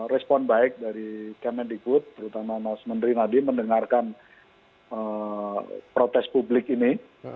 respon baik dari kemendikbud terutama mas menteri nadiem mendengarkan protes publik ini